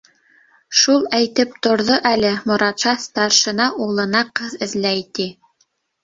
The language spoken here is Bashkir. Шул әйтеп торҙо әле, Моратша старшина улына ҡыҙ эҙләй, ти.